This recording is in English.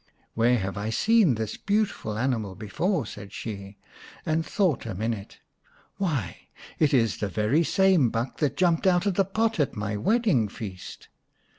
" Where have I seen this beautiful animal before ?" said she, and thought a minute. " Why, it is the very same buck that jumped out of the pot at my wedding feast